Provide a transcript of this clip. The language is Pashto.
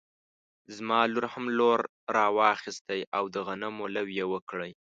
زما لور هم لور راواخيستی او د غنمو لو يې وکړی